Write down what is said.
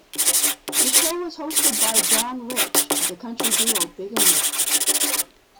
The show was hosted by John Rich of the country duo Big and Rich.